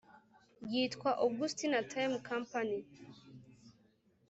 yitwa: “augustina time company “